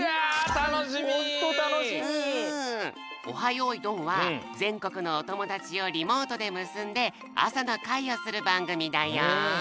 よいどん」はぜんこくのおともだちをリモートでむすんであさのかいをするばんぐみだよ。